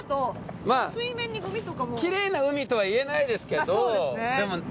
きれいな海とは言えないですけど。